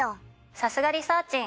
さすがリサーちん